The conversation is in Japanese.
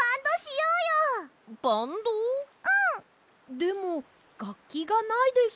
でもがっきがないです。